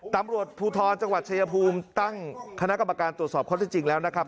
ตำรวจภูทรจังหวัดชายภูมิตั้งคณะกรรมการตรวจสอบข้อที่จริงแล้วนะครับ